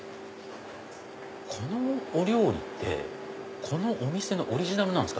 このお料理ってこのお店のオリジナルなんですか？